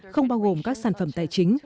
không bao gồm các sản phẩm tài chính